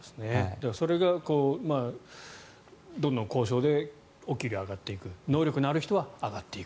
それがどんどん交渉でお給料が上がっていく能力のある人は上がっていく。